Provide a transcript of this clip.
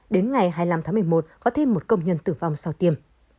đến ngày hai mươi năm tháng một mươi một có thêm một công nhân tử vong sau tiêm